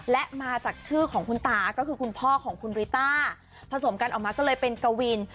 และมาจากชื่อของคุณตาก็คือคุณพ่อของคุณริต้าผสมกันออกมาก็เลยเป็นกวิน